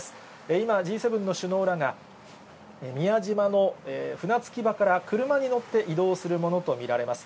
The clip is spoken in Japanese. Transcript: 今、Ｇ７の首脳らが、宮島の船着き場から車に乗って移動するものと見られます。